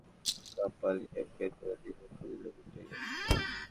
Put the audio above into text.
শেষ ওভারের নাটকে জিতে অলক কাপালি চ্যাম্পিয়ন করে দিলেন কুমিল্লা ভিক্টোরিয়ানসকে।